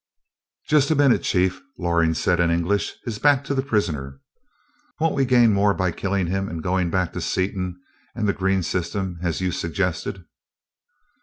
"Just a minute, Chief!" Loring said, in English, his back to the prisoner. "Wouldn't we gain more by killing him and going back to Seaton and the green system, as you suggested?"